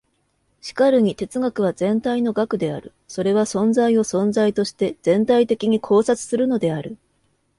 しかるに哲学は全体の学である。それは存在を存在として全体的に考察するのである。